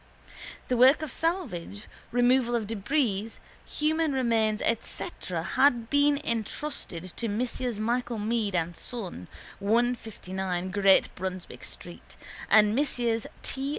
The work of salvage, removal of débris, human remains etc has been entrusted to Messrs Michael Meade and Son, 159 Great Brunswick street, and Messrs T.